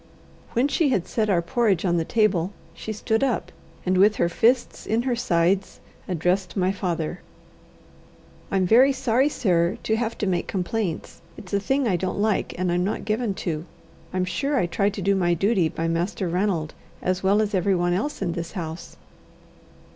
When she had set our porridge on the table, she stood up, and, with her fists in her sides, addressed my father: "I'm very sorry, sir, to have to make complaints. It's a thing I don't like, and I'm not given to. I'm sure I try to do my duty by Master Ranald as well as everyone else in this house."